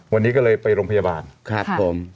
วันนี้ก็เลยไปโรงพยาบาล